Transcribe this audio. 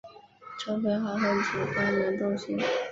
充分发挥主观能动性